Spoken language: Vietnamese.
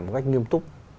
một cách nghiêm túc